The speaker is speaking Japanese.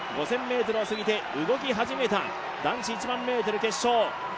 ５０００ｍを過ぎて動き始めた、男子１００００ｍ決勝。